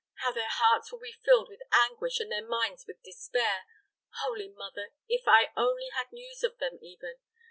How their hearts will be filled with anguish and their minds with despair! Holy Mother! if I only had news of them, even.